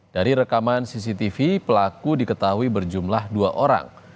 dari rekaman cctv pelaku diketahui berjumlah dua orang